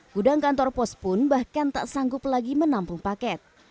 gudang kantor pos pun bahkan tak sanggup lagi menampung paket